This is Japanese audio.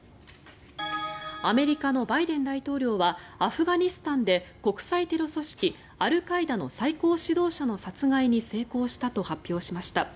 アメリカのバイデン大統領はアフガニスタンで国際テロ組織アルカイダの最高指導者の殺害に成功したと発表しました。